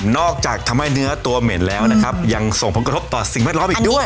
อกจากทำให้เนื้อตัวเหม็นแล้วนะครับยังส่งผลกระทบต่อสิ่งแวดล้อมอีกด้วย